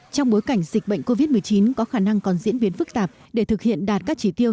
trong bối cảnh dịch bệnh covid một mươi chín có khả năng còn diễn biến phức tạp để thực hiện đạt các chỉ tiêu